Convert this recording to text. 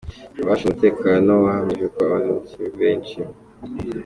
Abashinzwe umutekano na bo bahamije ko abakomeretse ari benshi.